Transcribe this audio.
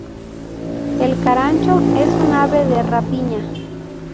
El carancho es un ave de rapiña.